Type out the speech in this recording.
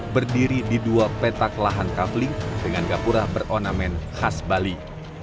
berdiri di dua petak lahan kafling dengan kapura beronamen khas perumahan